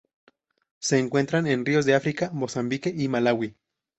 Se encuentran en ríos de África: Mozambique y Malaui.